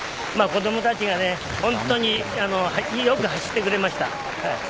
子供たちが本当によく走ってくれました。